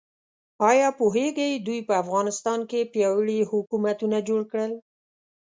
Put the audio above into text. ایا پوهیږئ دوی په افغانستان کې پیاوړي حکومتونه جوړ کړل؟